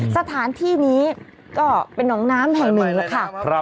สถานที่นี้ก็เป็นน้องน้ำแห่งหนึ่งแล้วค่ะ